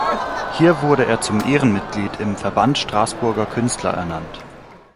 Hier wurde er zum Ehrenmitglied im "Verband Straßburger Künstler" ernannt.